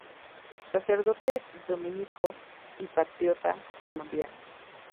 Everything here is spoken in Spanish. Sacerdote dominico y patriota colombiano.